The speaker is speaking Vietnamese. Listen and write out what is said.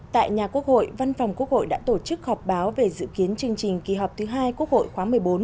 tại nhà quốc hội văn phòng quốc hội đã tổ chức họp báo về dự kiến chương trình kỳ họp thứ hai quốc hội khóa một mươi bốn